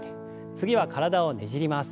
次は体をねじります。